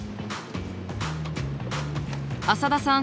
浅田さん